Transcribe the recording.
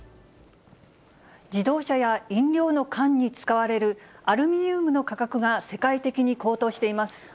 自動車や飲料の缶に使われるアルミニウムの価格が世界的に高騰しています。